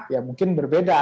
ya mungkin berbeda